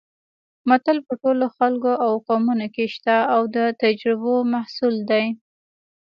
متل په ټولو خلکو او قومونو کې شته او د تجربو محصول دی